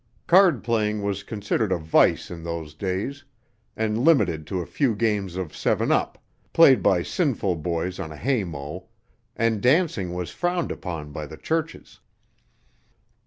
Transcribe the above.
Card playing was considered a vice in those days, and limited to a few games of "seven up," played by sinful boys on a hay mow, and dancing was frowned upon by the churches.